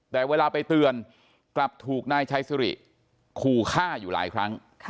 แต่เวลาไปเตือนกลับถูกนายชัยสิริขู่ฆ่าอยู่หลายครั้ง